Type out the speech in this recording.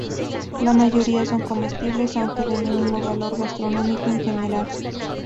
La mayoría son comestibles, aunque de mínimo valor gastronómico en general.